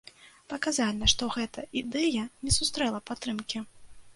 Паказальна, што гэта ідэя не сустрэла падтрымкі.